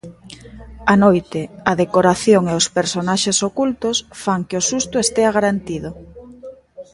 A noite, a decoración e os personaxes ocultos fan que o susto estea garantido.